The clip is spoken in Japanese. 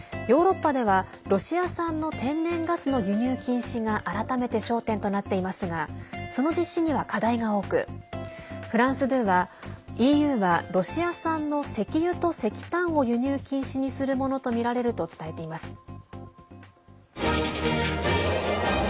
ヨーロッパではロシア産の天然ガスの輸入禁止が改めて焦点となっていますがその実施には課題が多くフランス２はＥＵがロシア産の石油と石炭を輸入禁止にするものとみられると伝えています。